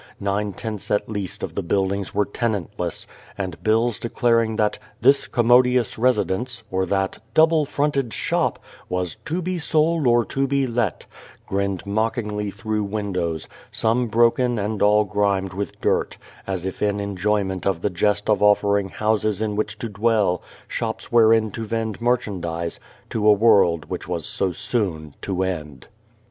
Nine tenths at least of the build ings were tenantless, and bills declaring that "this commodious residence" or that " double fronted shop " was " to be sold or to be let " grinned mockingly through windows, some broken and all grimed with dirt, as if in enjoy ment of the jest of offering houses in which to dwell, shops wherein to vend merchandise, to a world which was so soon to end.